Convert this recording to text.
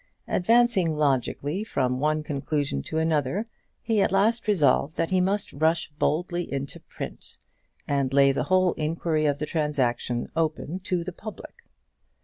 Advancing logically from one conclusion to another, he at last resolved that he must rush boldly into print, and lay the whole iniquity of the transaction open to the public.